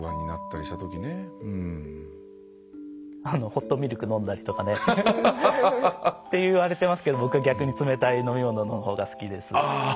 ホットミルク飲んだりとかね。っていわれてますけど僕は逆に冷たい飲み物のほうが好きです。